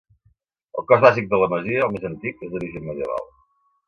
El cos bàsic de la masia, el més antic, és d'origen medieval.